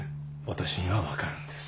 私には分かるんです。